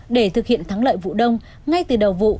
để thực hiện thắng lợi vụ đông ngay từ đầu vụ